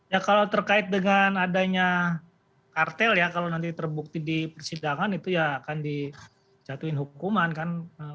ya kalau terkait dengan adanya kartel ya kalau nanti terbukti di persidangan itu ya akan dijatuhin hukuman kan